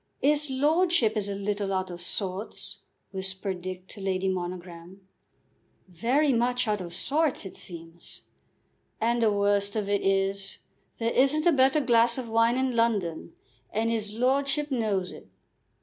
"'Is lordship is a little out of sorts," whispered Dick to Lady Monogram. "Very much out of sorts, it seems." "And the worst of it is, there isn't a better glass of wine in London, and 'is lordship knows it."